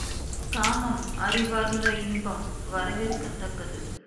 காமம் அறிவார்ந்த இன்பம் வரவேற்கத்தக்கது.